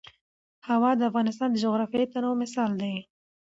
هوا د افغانستان د جغرافیوي تنوع مثال دی.